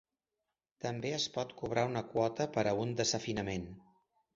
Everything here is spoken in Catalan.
També es pot cobrar una quota per a un desafiament.